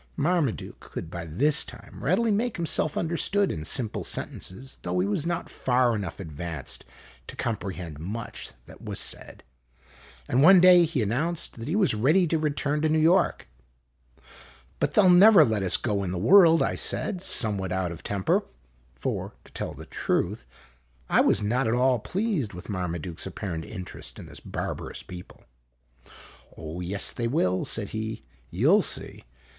Marmaduke could by this time readily make himself understood in simple sentences, though he was not far enough advanced to comprehend much that was said ; and one day he announced that he was ready to return to New York. " But they '11 never let us go in the world," I said, somewhat out of temper. For, to tell the truth, I was not at all pleased with Marmaduke's apparent interest in this barbarous people. " Oh, yes, they will," said he. " You will see.